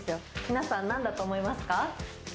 皆さん何だと思いますか？